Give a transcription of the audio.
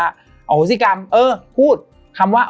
โหสิกรรมเออพูดคำว่า